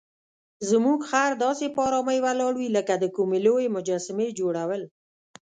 زموږ خر داسې په آرامۍ ولاړ وي لکه د کومې لویې مجسمې جوړول.